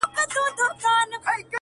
ناموسي دودونه اصل ستونزه ده ښکاره,